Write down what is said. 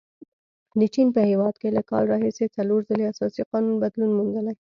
د چین په هیواد کې له کال راهیسې څلور ځلې اساسي قانون بدلون موندلی.